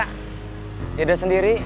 tidak ada sendiri